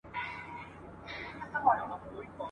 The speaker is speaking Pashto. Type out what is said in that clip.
چي راجلا یم له شنو سیندونو !.